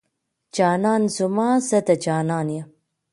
جانان زما، زه د جانان يم